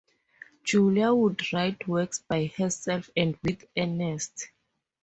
Julia would write works by herself and with Ernest.